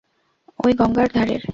ঐ গঙ্গার ধারের?